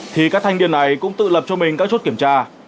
thì các thanh niên này cũng tự lập cho mình các chốt kiểm tra